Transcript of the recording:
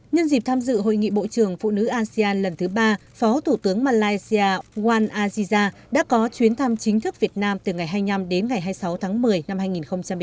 nhân dịp tham dự hội nghị bộ trưởng phụ nữ asean lần thứ ba phó thủ tướng malaysia wan aziza đã có chuyến thăm chính thức việt nam từ ngày hai mươi năm đến ngày hai mươi sáu tháng một mươi năm hai nghìn một mươi chín